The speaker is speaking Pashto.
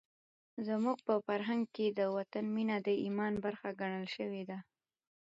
زموږ په فرهنګ کې د وطن مینه د ایمان برخه ګڼل شوې ده.